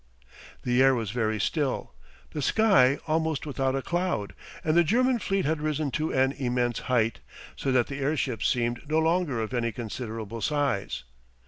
The air was very still, the sky almost without a cloud, and the German fleet had risen to an immense height, so that the airships seemed no longer of any considerable size.